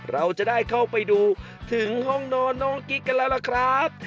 เราจะได้เข้าไปดูถึงห้องนอนน้องกิ๊กกันแล้วล่ะครับ